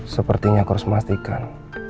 sepertinya aku harus memastikan